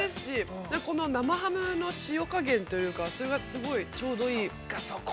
◆生ハムの塩加減というかそれがすごい、ちょうどいい。